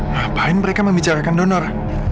ngapain mereka membicarakan donor